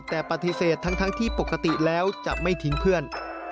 แต่ปฏิเสธทั้งที่ปกติแล้วจะไม่ทิ้งเพื่อน